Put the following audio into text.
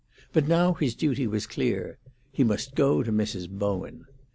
But now his duty was clear; he must go to Mrs. Bowen.